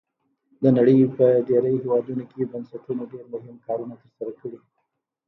د نړۍ په ډیری هیوادونو کې بنسټونو ډیر مهم کارونه تر سره کړي.